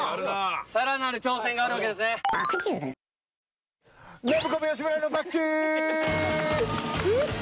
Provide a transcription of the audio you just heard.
さらなる挑戦があるわけですねフゥ！